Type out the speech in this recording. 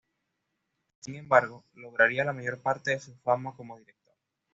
Sin embargo, lograría la mayor parte de su fama como director.